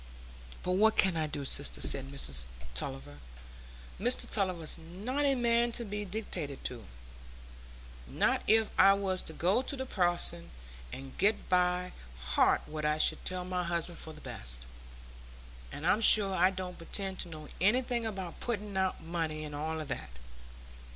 "But what can I do, sister?" said Mrs Tulliver. "Mr Tulliver's not a man to be dictated to,—not if I was to go to the parson and get by heart what I should tell my husband for the best. And I'm sure I don't pretend to know anything about putting out money and all that.